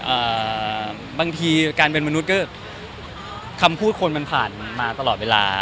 อ่าบางทีการเป็นมนุษย์ก็คำพูดคนมันผ่านมาตลอดเวลา